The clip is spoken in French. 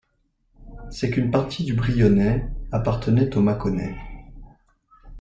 C'est qu'une partie du Brionnais appartenait au Mâconnais.